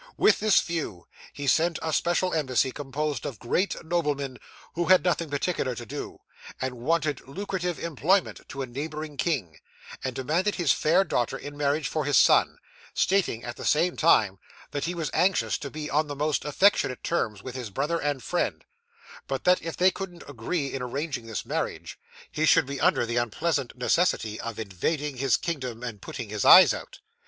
With this view, he sent a special embassy, composed of great noblemen who had nothing particular to do, and wanted lucrative employment, to a neighbouring king, and demanded his fair daughter in marriage for his son; stating at the same time that he was anxious to be on the most affectionate terms with his brother and friend, but that if they couldn't agree in arranging this marriage, he should be under the unpleasant necessity of invading his kingdom and putting his eyes out.